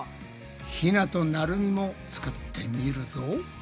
ひなとなるみも作ってみるぞ！